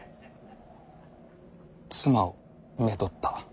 妻をめとった。